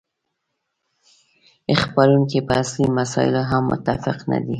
څېړونکي په اصلي مسایلو هم متفق نه دي.